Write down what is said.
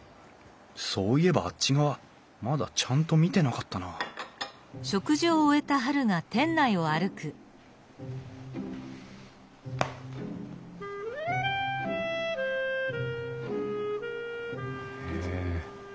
そういえばあっち側まだちゃんと見てなかったなあへえ。